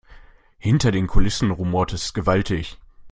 Hinter den Kulissen rumort es gewaltig.